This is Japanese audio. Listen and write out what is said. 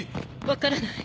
分からない。